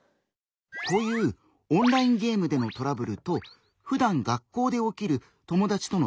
こういうオンラインゲームでのトラブルとふだん学校で起きる友達とのトラブル。